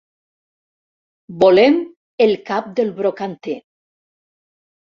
Volem el cap del brocanter.